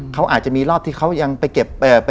เขาอาจจะมีรอบที่เขายังไปเก็บ